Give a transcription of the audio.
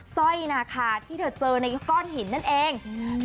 สร้อยนาคาที่เธอเจอในก้อนหินนั่นเองอืม